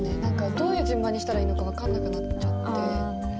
どういう順番にしたらいいのか分かんなくなっちゃって。